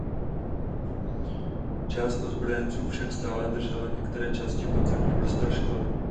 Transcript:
Část ozbrojenců však stále držela některé části podzemních prostor školy.